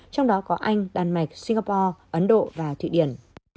trong đó có anh đan mạch singapore ấn độ và thụy điển